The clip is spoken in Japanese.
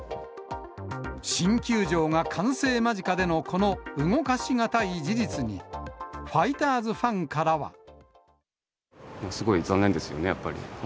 新球場が完成間近でのこの動かし難い事実に、ファイターズファンすごい残念ですよね、やっぱり。